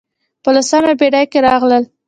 په لسمه پېړۍ کې راغلل.